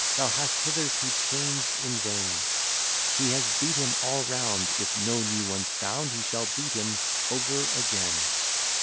Thou hast hitherto changed in vain; He has beat 'em all round, If no new one's found, He shall beat 'em over again.